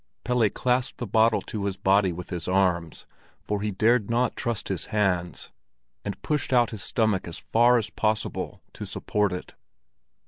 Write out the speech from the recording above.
Pelle clasped the bottle to his body with his arms, for he dared not trust his hands, and pushed out his stomach as far as possible to support it.